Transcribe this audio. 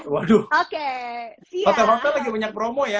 waduh hotel hotel lagi banyak promo ya